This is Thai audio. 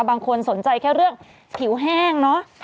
บางคนสนใจแค่เรื่องผิวแห้งเนอะ